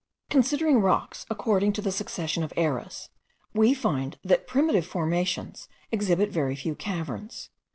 Considering rocks according to the succession of eras, we find that primitive formations exhibit very few caverns.